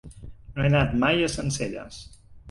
No he anat mai a Sencelles.